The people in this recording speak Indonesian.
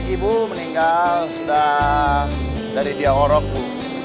ibu meninggal sudah dari dia horok bu